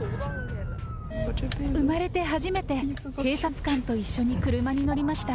生まれて初めて警察官と一緒に車に乗りました。